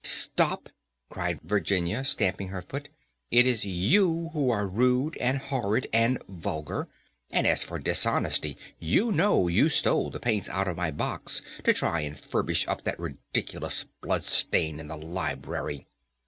"Stop!" cried Virginia, stamping her foot, "it is you who are rude, and horrid, and vulgar, and as for dishonesty, you know you stole the paints out of my box to try and furbish up that ridiculous blood stain in the library.